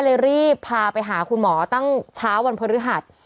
เลยรีบพาไปหาคุณหมอตั้งเช้าวันพฤหัส